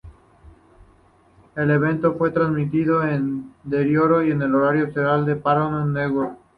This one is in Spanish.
El evento fue transmitido en diferido y en horario estelar por Paramount Network.